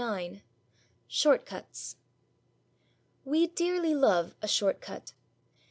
IX SHORT CUTS We dearly love a short cut.